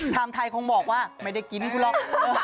ทางไทยคงบอกว่าไม่ได้กินกูหรอก